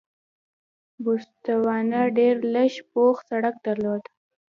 بوتسوانا ډېر لږ پوخ سړک درلود.